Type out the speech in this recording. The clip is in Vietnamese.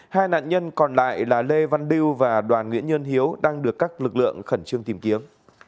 hai nạn nhân còn lại là lê văn lưu và đoàn nguyễn nhân hiếu đang được các lực lượng khẩn trương tìm kiếm